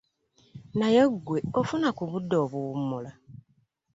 Naye gwe ofuna ku bude obuwumula?